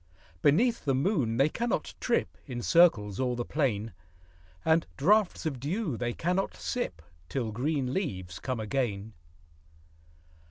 Beneath the moon they cannot trip In circles o'er the plain ; And draughts of dew they cannot sip, Till green leaves come again.